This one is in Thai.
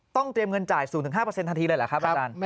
เตรียมเงินจ่าย๐๕ทันทีเลยเหรอครับอาจารย์